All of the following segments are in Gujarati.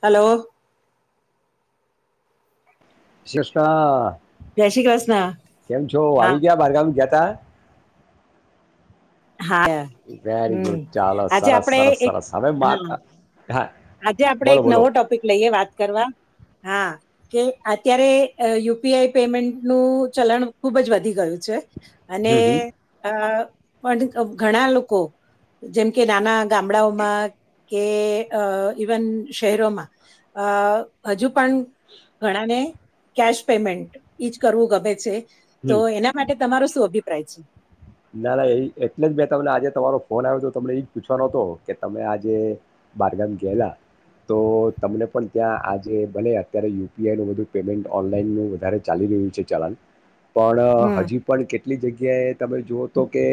હલો. વિશેષતા જય શ્રી કૃષ્ણ કેમ છો હા આવી ગયા બારગામ ગયા ત્તા હા વેરી હમ ગુડ ચાલો આજે સરસ આપણે સરસ એક સરસ હવે માર હા આજે આપડે એક નવો ટોપિક લઈએ વાત કરવા હા કે અત્યારે યુપીઆઈ પેમેન્ટનુંું ચલણ ખુબ જ વધી ગયું છે અને હમ હમ આ પણ ઘણા લોકો જેમ કે નાના ગામડાઓમાં કે અ ઇવન શહેરોમાં અ હજુ પણ ઘણાને કેશ પેમેન્ટ એ જ કરવું ગમે છે તો હમ એના માટે તમારો શું અભિપ્રાય છે ના ના એ એટલે જ મેં તમને આજે તમારો ફોન આવ્યો હતો તમને એજ પૂછવાનો હતો કે તમે આજે બારગામ ગયેલા તો તમને પણ ત્યાં આજે ભલે અત્યારે યુપીઆઈ નુંું પેમેન્ટ ઓનલાઈન વધારે ચાલી રહ્યું છે ચલન હમ પણ હજી પણ કે કેટલી જગ્યાએ તમે જો તો કે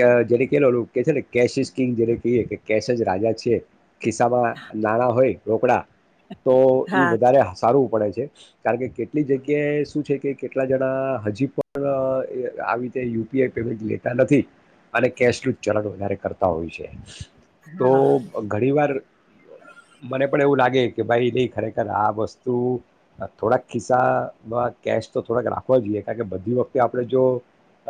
જે ક કે છે ને કેશ કિંગ જેને કહીએ કે કેશ રાજા છે ખિસ્સામાં નાણા હોય રોકડા. તો ઈ હા વધારે સારું. પડે છે કારણ કે કેટલી જગ્યાએ શું છે કે કેટલા જણા હજી પણ આવી રીતે યુ. પેમેન્ટ લેતા નથી અને કેસ ચલણ વધારે કરતા હોય છે. તો હા ઘણી વાર. મને પણ એવું લાગે કે ભાઈ નય ખરેખર આ વસ્તુ થોડાક ખિસ્સામાં કેશ તો થોડાક રાખવા જોઈએ કારણ કે બધી વખતે આપણે જો.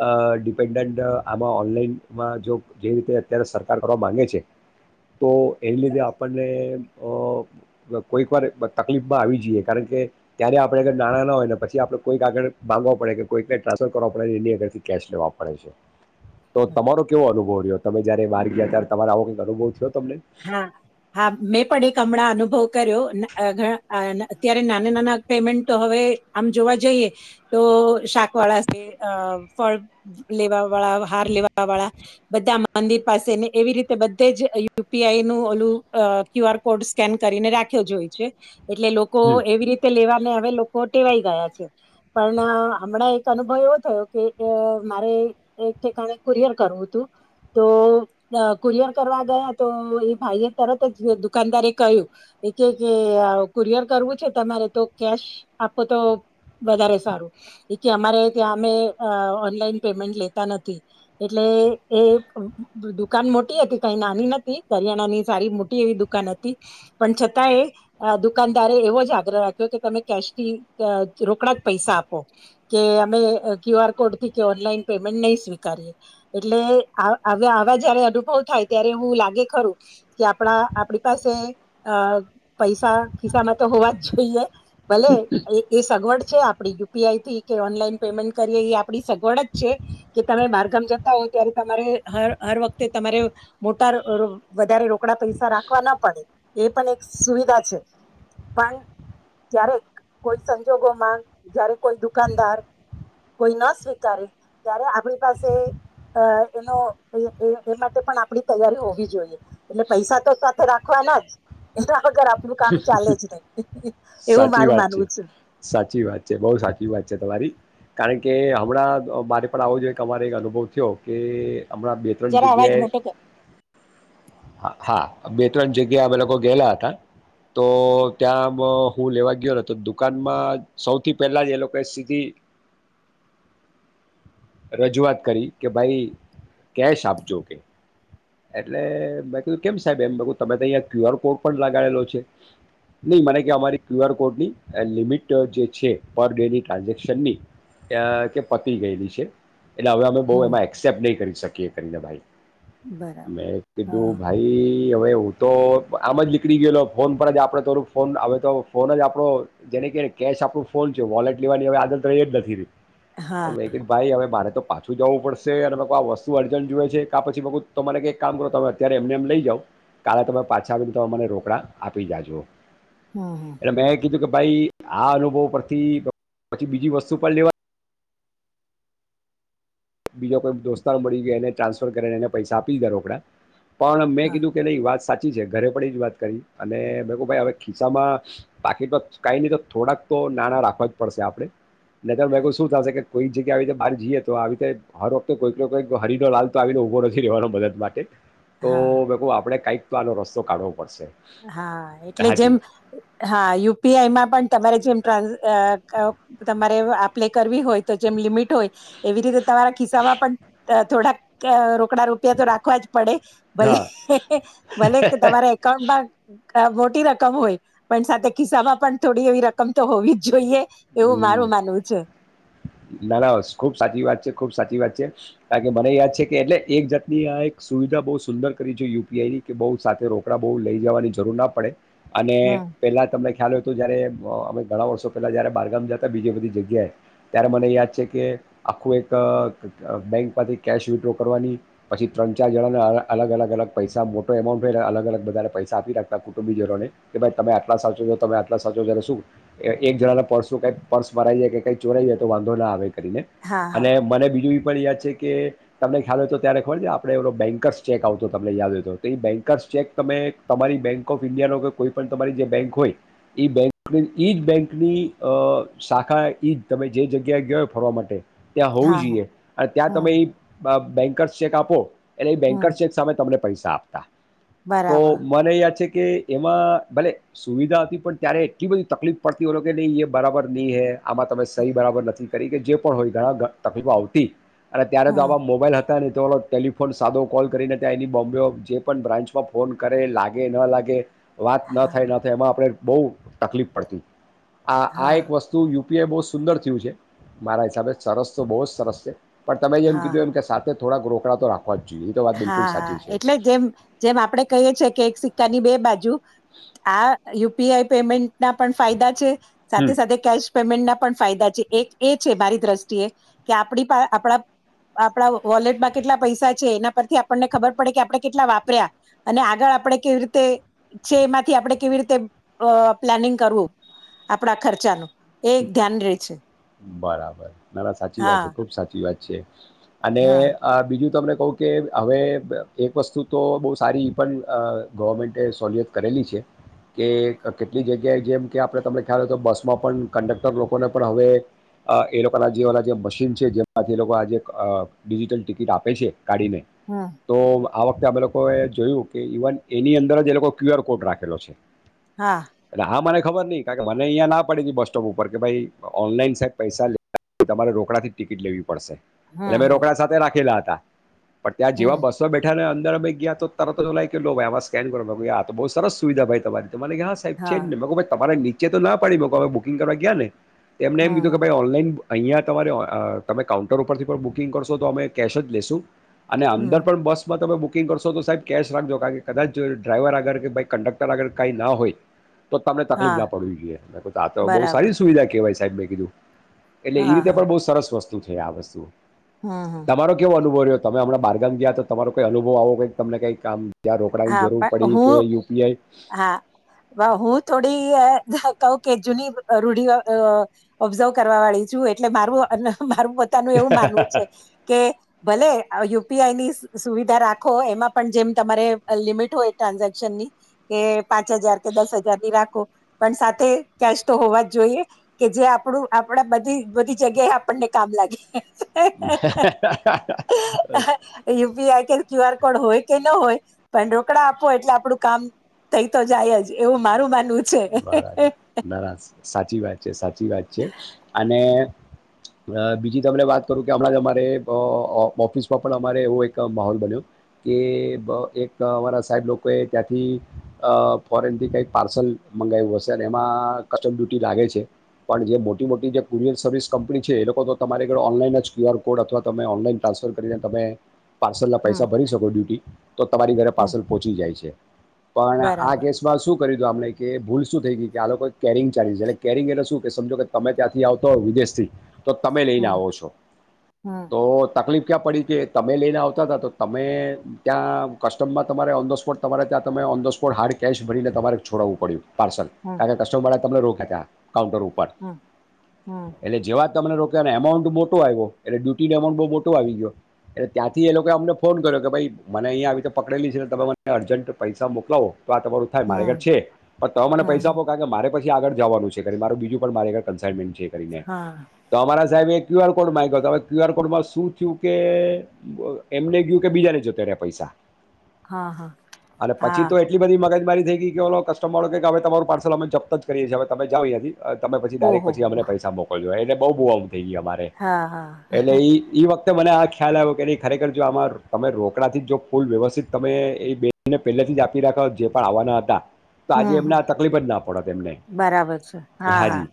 અ ડિપેન્ડન્ટ આમાં ઓનલાઈનમાં જો જેવુ કે અત્યારે સરકાર કરવા માગે છે તો એની લીધે આપણને કોઈક વાર તકલીફમાં આવી જઈએ કારણ કે ત્યારે આપણે અગર નાણાં ના હોયને પછી આપણે કોઈક આગળ માંગવા પડે કે કોઈકને ટ્રાન્સફર કરવા પડે એની અગરથી. કેશ લેવા પડે છે. તો તમારો કેવો અનુભવ. તમે જયારે બાર ગયા ત્યારે તમારા આવો અનુભવ થયો તમને હા હા મેં પણ એક હમણાં અનુભવ. કર્યો અત્યારે નાના નાના પેમેન્ટ તો હવે આમ જોવા જઈએ તો શાક વાળા છે ફળ લેવા. વાળ હાર લેવા વાળા બધા. મંદિર પાસે ને એવી રીતે બધે જ. યુપીઆઈ નું ઓલું ક્યુ આર કોડ સ્કેન કરીને રાખ્યો જો હો છે. એટલે લોકો એવી રીતે લેવા. હવે લોકો ટેવાઈ ગયા છે પણ હમણાં એક અનુભવ એવો થયો કે મારે એક ઠેકાણે કુરિયર કરવું હતું તો કુરિયર કરવા ગયા. તો એ ભાઈ એ તરત જ દુકાનદારે કહ્યું એ કે કે કુરિયર કરવું છે તમારે તો કેશ આપવો તો વધારે સારું એ કે અમારે ત્યાં અમે ઓનલાઈન પેમેન્ટ લેતા નથી એટલે એ દુકાન મોટી હતી કઈ નાની નથી. હરિયાણાની સારી મોટી એવી દુકાન હતી પણ છતાંય દુકાનદારે એવો જ આગ્રહ રાખ્યો કે તમે કેશ થી રોકડા જ પૈસા આપો કે અમે ક્યુ આર કોડ થી કે ઓનલાઈન પેમેન્ટ નહી સ્વીકારીએ એટલેવા જયારે અનુભવ થાય ત્યારે હું લાગ. ે ખરું કે આપણા આપણી પાસે અ પૈસા ખિસ્સા માં તો હોવા જ જોઈએ. ભલે એ સગવડ. આપ યુપીઆઈથી કે ઓનલાઈન પેમેન્ટ કરીએ એ આપ સગવડ જ છે કે તમે બારગામ જતા હોવ ત્યારે તમારે હર વખતે તમારે મોટા. વધારે રોકડા પૈસા રાખવા ના પડે એ પણ એક સુવિધા છે પણ જ્યારે કોઈ સંજોગો માંગ જયારે કોઈ દુકાનદાર કોઈ ન સ્વીકારે ત્યારે આપણી પાસે એનો એ માટે પણ આપણી તૈયારીઓ હો. જોઈ એટલે પૈસા તો સાથે રાખવાના જ એના વગર આપણું કામ ચાલે જ નહી એવું સાચી મારું વાત છે માનવું સાચી વાત છે બહું સાચી વાત છે તમારી. કારણ કે હમણાં મારે પણ આવો જો અમારે એક અનુભવ થયો કે હમણાં બે ત્રણ જરા અવાજ જગ્યાએ મોટો કર હા. હા બે ત્રણ જગ્યા અમે લોકો ગયેલા હતા. તો ત્યાં હું લેવા ગયો ન તો દુકાનમાં સૌથી પહેલા જ એ લોકો સ્થિ રજૂઆત કરી કે ભાઈ કેશ આપજો કે. એટલે મેં કીધુ કેમ સાહેબ એમ તમે તો અહીંયા ક્યુ આર કોડ પણ લગાડેલો છે નહી મને કે અમારી ક્યુ આર કોડ ની લિમિટ જે છે પર ડેની ટ્રાન્ઝેક્શનની ત કે પતી ગયેલી છે. એટલે હવે અમે બહું હમ એમાં એક્સેપ્ટ નહીં કરી શકીએ. કે કરીં દે ભાઈ. બરાબર મેં હા કીધું ભાઈ હવે હું તો આમ જ નીકળી ગયેલો ફોન પર જ આપડે થોડુંક ફોન હવે તો ફોન જ આપડો જેને ક ને કેશ આપણું ફોન છે વોલેટ લેવાની હવે આદત તો એ જ નથી રહી. હા મે કીધુ ભાઈ હવે ભારે તો પાછું જવું પડશે અને આ વસ્તુ અર્જન્ટ જોઈએ છે કે આ પછી મ તો મને કંઈક કામ કરો તમે અત્યારે એમને એમ લઈ જાવ કાલે તમે પાછા આવીને તમે મને રોકડા આપી જાજો. હમ એટલે મેં કીધું કે ભાઈ આ અનુભવ પરથી પછી બીજી વસ્તુ પણ લેવા બીજા કોઈ દોસ્તાર મળી ગયા એને ટ્રાન્સફર કરીને એને પૈસા આપી લીધા રોકડા. પણ મેં હા કીધું કે ન વાત સાચી છે ઘરે પણ જ વાત કરી અને મેંક ભાઈ હવે ખિસ્સામાં પાકીટમાં કાંઈ નહીં તો થોડાક તો નાણાં રાખવા જ પડશે આપણે ન તો મેંક શું થશે કે કોઈક જગ્યા આવી રીતે બહાર જઈએ તો આવી રીતે હર વખતે કોઈકઈ હરીનો લાલ તો આવીને ઉભો નથી રહેેવાનો મદદ માટે. તો હા ભઇ આપડે કઈક આનો રસ્તો કાઢો હા એટલે જેમ હા યુપીઆઈમાં પણ તમારે જેમ ટ્રાસ તમારે આપપ્લે કરવી હોય તો જેમ લિમિટ હોય એવી રીતે તમારા ખિસ્સામાં પણ થોડાક રો કડા રૂપિયા તો રાખવા જ પડે ભલે હા ભલે કે તમારા એકાઉન્ટમાં મોટી રકમ હોય પણ સાથે ખિસ્સા માં પણ થોડી એવી રકમ તો હોવી જ જોઈએ. એવું મારું માનવું છે હમ નાના ખુબ સાચી વાત છે ખુબ સાચી વાત છે. છે કારણ કે મને યાદ છે કે એટલે એક જાતની આ એક સુવિધા બહુ સુંદર કરીવી જોઈએ યુપીઆઈની કે બહુ સાથે રોકડા બહુ લઈ જવાની જરૂર ના પડે. અને હમ પેલા તમને ખ્યાલ હોય તો જયારે અમે ઘણા વર્ષો પેલા જયારે બારગામ જતા બીજી બધી જગ્યાએ ત્યારે મને યાદ છે કે આખું એક બેંકમાંથી કેશ વિડ્રો કરવાની પછી ત્રણ ચાર જણાના અલગ અલગ અલગ પૈસા મોટો એમાઉન્ટ હોયને અલગ અલગ બધાને પૈસા આપી રાખતા કુટુંબીજનોને કે ભાઈ તમે આટલા સાચો છ તમે આટલા સાચો જ્યારે શું એક જણાના પર્સ શું કઈ પર્સ ભરાઈય કે કંઈ ચોરાઈય તો વાંધો ના આવે. કરીને હા હા અને મને બીજું પણ યાદ છે કે તમને ખ્યાલ હોય તો ત્યારે ખબર છે આપણે એ બેન્કર્સ ચેક આવતો તમને યાદ હોય તો તો એ બેન્કર્સ ચેક તમે તમારી બેંક ઓફ ઈન્ડિયાનો કે કોઈ પણ તમારી જે બેંક હોય એ બેક એ જ બેંકની શાખા એઈજ તમે જે જગ્યાએ ગયોય ફરવા માટે ત્યાં હોવું હા હા જોઈએ અને ત્યાં તમે હમ એ બેન્કર્સ ચેક આપો એટલે એ હમ બેન્કર ચેક સામે તમને પૈસા આપતા. તો બરાબર મને યાદ છે કે એમાં ભલે સુવિધા હતી પણ ત્યારે એટલી બધી તકલીફ પડતી હોલો કે નહી એ બરાબર નહી હે આમાં તમે સહી બરાબર નથી કરી કે જે પણ હોય ઘણા તકલીફો આવતી અને ત્યારે જો હમ આવા મોબાઈલ હતો ને તો ટેલિફોન સાદો કોલ કરીને ત્યાં એની બોમ્બે જે પણ બ્રાન્ચમાં ફોન કરે લાગે ન લાગે વાત ના હા થાય ના થાય એમાં આપડે બહુ તકલીફ પડતી. આ હા એક વસ્તુ યુ તેયે બો સુંદર થયું છે મારા હિસાબે સરસ તો બો સરસ છે પણ તમે અયા એમ કીધું હા એમ કે સાથે થોડા રોકડા તો રાખ હા હા એટલે જેમ જેમ આપડે કહી છીએ કે એક સિક્કાની બે બાજુ આ યુપીઆઈ પેમેન્ટના પણ ફાયદા છે હમ સાથે સાથે કેશ પેમેન્ટના પણ ફાયદા છે એક એ છે મારી દ્રષ્ટિએ કે આપડી પા આપણા આપણા વોલેટમાં કેટલા પૈસા છે એના પરથી આપણને ખબર પડે કે આપડે કેટલા વાપર્યા અને આગળ આપણે કેવી રીતે છે એમાંથી આપણે કેવી રીતે અ પ્લાનિંગ કરવું આપણા ખર્ચાનું એ એક ધ્યાન રે છે બરાબર ના ના સાચી વાત હા છે ખુબ સાચી વાત છે. છે. અને હા અ બીજું તમને કહુ કે હવે એક વસ્તુ તો બહુ સારી એ પણ અ ગવર્મેન્ટે સોલિયત કરેલી છે કે ક કેટલી જગ્યાએ જેમ કે આપણે તમને ખ્યાલ હોય તો બસમાં પણ કંડક્ટર લોકોને પણ હવે અ એ લોકોના જેવાલા જે મશીન છે જેમાંથી એ લોકો આ જેે અ ડિજિટલ ટિકિટ આપે છે કાઢીને હમ તો આ વખતે અમે લોકો એ જોયું કે ઇવન એની અંદર જ એ લોકો ક્યુ આર કોડ રાખેલો છે. હા એટલે હા મને ખબર ની કારણ કે મને અહીંયા ના પડી બસ સો ઉપર કે ભાઈ ઓનલાઈન સાહેબ પૈસા લે તમારે રોકડાથી ટિકટ લેવી પડશે હમ એટલે મે હમ રોકડા સાથે રાખેલા હતા. તા પણ ત્યાં જેવા હમ બસમાં બેઠાને અં દર અમે ગીયા તો તરત ઓલા કે લો ભાઈ આમાં સ્કેન કરો મેકુ આ તો બહુ સરસ સુવિધા ભાઈ તમારી તો મને કે હા સાહેબ છે જ ને મે કીધું ભાઈ તમારે ની કે એતો ના પાડી મેકો હવે બુક કિંગ કરવા ગયાને તેમને એમ હમ કીધું કે હમ ભાઈ ઓનલાઈન અહીંયા તમારે અ તમે કાઉન્ટર ઉપરથી પણ બુકિંગ કરશો તો અમે કેશ જ લેશું. અને હમ અંદર પણ બસમાં તમે બુક બુકિંગ કરશો તો સાહેબ કેશ રાખજો કારણ કે કદાચ જો ડ્રાઈવર આગળ કે ભાઈ કંડક્ટર આગળ કંઈ ના હોય તો તમને તકલીફ હા ના પડવી જોઈએ મે કવુ આ તો બહુ બરાબર સારી સુવિધા કે કેવાય સાહેબ મે કીધું. એટલે ઈ હા રીતે હા પણ બહુ સરસ વસ્ સ્તુ છે આ વસ્તુ. હમ હમ તમારો કેવો અનુ ભવ રહ્યો તમે હમણા બારગામ ગયા તો તમારો કોઈ અનુભવ આવો કાઈ તમને કંઈ કામ હા પણ હું હા હું થોડી અ કવુ કે જૂની રૂઢિ અ ઓબ્ઝર્વ કરવાવાળી છું એટલે મારું મારું પોતાનું એવું માનવું છે કે ભલે યુ પી આઈ ની સુવિધા રાખો એમાં પણ જેમ તમારે લિમિટ હોય ટ્રાન્ઝેક્શનની કે પાંચ હજાર કે દસ હજારની રાખો. પણ સાથે કેશ તો હોવા જ જોઈએ કે જે આપણું આપણા બધી બધી જગ્યાએ આપણને કામ લાગે. [unintelligible] [inaudible] ક્યુ આર કોડ હોય કે ન હોય પણ રોકડા આપો એટલે આપડું કામ થય તો જાય જ એવું મારું માનવું છે. બરાબર, ના ના સા ચી વાત છે સા ચી વાત છે અને અ બીજી તમને વાત કરું કે હમણાં જ અમારે અ ઓફિસમાં પણ અમારે એવો એક માહોલ બન્યો કે એક બ અમારા સાહેબ લોકોએ ત્યાંથી અ ફોરેનથી કંઈક પાર્સલ મંગાયુ હશે અને એમાં કસ્ટમ ડ્યુટી લાગે છે પણ જે મોટી-મોટી જે કુરિયર સર્વિસ કંપની છે એ લોકો તો તમારી કણે ઓનલાઈન જ ક્યુ આર કોડ અથવા તમે ઓનલાઈન ટ્રાન્સફર કરીને તમે પાર્સલના હમ પૈસા ભરી શકો ડ્યુટી તો તમારી ઘરે હમ પાર્સલ પહોંચી જાય છે. પણ આ બરાબર કેસમાં શું કરી દું આમં કે ભૂલ શું થઈ ગઈ કે આ લોકો કેરિંગ ચાલી છે, એટ કેરિંગ એટલે શું કે સમજો કે તમે ત્યાંથી આવતો હો વિદેશથી તો તમે લઈને હમ આવો છો હમ તો તકલીફ ક્યા પડી કે તમે લઈને આવતા હતા તો તમે ત્યાં કસ્ટમમાં તમારે ઓન ધ સ્પોટ તમારે ત્યાં તમે on the spot hard cash ભરીને તમારે છોડાવું, પડ્યું પાર્સલ હમ કારણ કે કસ્ટમ બળ તમને રોક્યા તા કાઉન્ટર ઉપર હમ હમ એટલે, જેવા તમને રો ને એમાઉન્ટ મોટો આવ્યો એટલે ડ્યુટીનો એમાઉન્ટ બહુ મોટો આવી ગયો, એટલે ત્યાંથી એ લોકોએ અમને ફોન કર્યો કે ભાઈ મને અહીંયા આવી રતે પકડેલી છે, ને તમે મને અર્જન્ટ પૈસા મોકલાવો તો આ તમારું થાય મારે ઘર હમ છે, તો મને હમ પૈસા હમ આપો કારણ કે મારે પછી આગળ જવાનું છે, મારો બીજું પણ મારે આ કન્સાઈઇમેન્ટ છે કરીને હા તો અમારા સાહેબ એક ક્યુ આર કોડ માંગયો હતો હવે ક્યુ આર કોડમાં શું થયું, કે એમને ગયું કે બીજાને જતો રહ્યા પૈસા હા હા અને પછી હા તો એટલી બધી મગજ મારી થઈ ગઈ કે ઓલો કસ્ટમર હો કે હવે તમારૂ પાર્સલ અમે જપ્ત જ કરીએ છીએ, હવે તમે જાવ અહીંયાથી તમે પછી ડાયરેક ઓહો પછી અમને પૈસા મોકલજો એને બ બોવાલ થઇ ગઈ અમારે હા હા એટલે ઈ ઈ વખ તે મને આ ખ્યાલ આવ્યો કે ની ખરેખર જો આમાં તમે રોકડા થી જો ફૂલ વ્યવસ્થિત તમે એ બેને પહેલેથી જ આપી રાખ્યા હોત, જે પણ આવવાના હતા તો આજે હમ્મ એમને હમ્મ આ તકલીફ જ ના પડત એમને બરાબર છે હા હા હાજી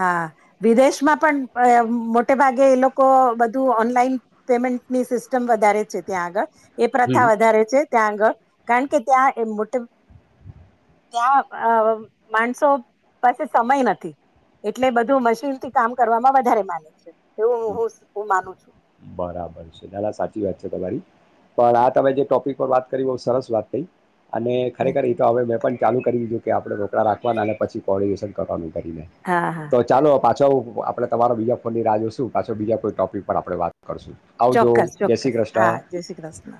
હા વિદેશમાં પણ મોટે ભાગે એ લોકો બધું ઓનલાઈન પેમેન્ટની સિસ્ટમ વધારે છે, ત્યાં આગળ એ પ્રથા હમ વધારે છે, ત્યાં આગળ કારણ કે ત્યાં એ મોટ ત્યાં અ માણસો પાસે સમય નથી, એટલે બધું મશીન થી કામ કરવામાં વધારે માને છે, એવું હું હું માનું છું બરાબર છે ના ના સાચી વાત છે, તમારી પણ આ તમે જે ટોપિક પર વાત કરી બઉ સરસ વાત થઈ. અને ખરેખર એતો હવે મેં પણ ચાલુ કરી દીધું કે આપડે રોકડા રાખવાના અને પછી કોર્ડિનેશન કરવાનું છે, કરી હા હા તો ચાલો પાછો આપડે તમારો બીજા ફોનની રાહ જોશું પાછો બીજા કોઈ ટોપિક પર આપડે વાત કરશું આવજો, ચોક્કસ જય શ્રી ચોક્કસ ક્રષ્ન હા જય શ્રી કૃષ્ણ